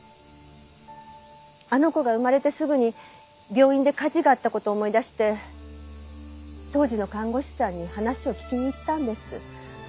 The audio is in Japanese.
あの子が産まれてすぐに病院で火事があった事を思い出して当時の看護師さんに話を聞きに行ったんです。